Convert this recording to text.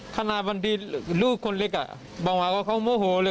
ขนาดบางทีลูกคนเล็กบางวันเขาโมโหเลย